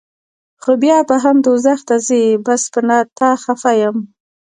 خو بیا به هم دوزخ ته ځې بس پۀ تا خفه يم